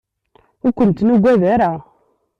Ur kent-nuggad ara.